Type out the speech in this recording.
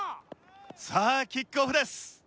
さあキックオフです。